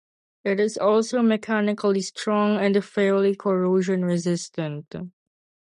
It is also mechanically strong and fairly corrosion resistant.